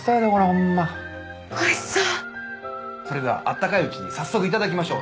それではあったかいうちに早速頂きましょう。